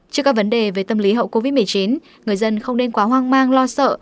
trước các vấn đề về tâm lý hậu covid một mươi chín người dân không nên quá hoang mang lo sợ